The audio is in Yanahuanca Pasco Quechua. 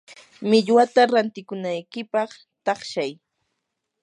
millwata rantikunaykipaq taqshay.